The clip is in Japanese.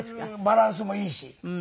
バランスもいいし。